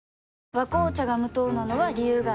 「和紅茶」が無糖なのは、理由があるんよ。